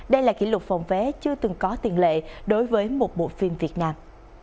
đây là kỷ lục phòng vé chưa từng có tiền lệ đối với một bộ phim việt nam